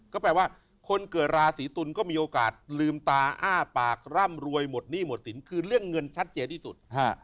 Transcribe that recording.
ก็แปลว่าคนเกิดราศีตุลก็มีโอกาสลืมตาอ้าปากร่ำรวยหมดหนี้หมดสินคือเรื่องเงินชัดเจนที่สุด